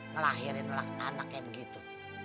ngelahirin anak kayak begitu